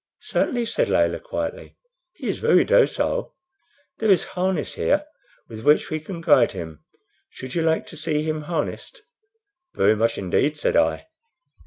"Certainly," said Layelah, quietly. "He is very docile. There is harness here with which we can guide him. Should you like to see him harnessed?" "Very much indeed," said I.